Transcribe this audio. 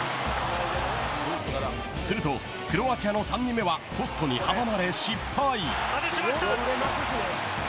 すると、クロアチアの３人目はポストに阻まれ失敗。